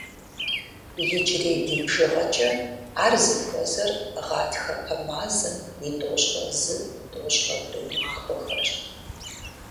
Иджырей ди бжыгъэкӀэ ар зыхуэзэр гъатхэпэ мазэм и тӏощӏрэ зы-тӏощӏрэ тӏу махуэхэрщ.